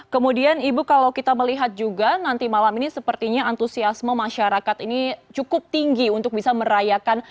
kemudian ibu kalau kita melihat juga nanti malam ini sepertinya antusiasme masyarakat ini cukup tinggi untuk bisa merayakan